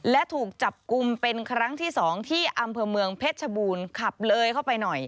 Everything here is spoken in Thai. และถูกจับกลุ่มเป็นครั้งที่สองที่อำเภอเมืองเพชรชบูรณ์ขับเลยเข้าไปหน่อย